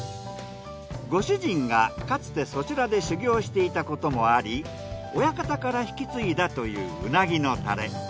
ご主人がかつてそちらで修業していたこともあり親方から引き継いだといううなぎのタレ。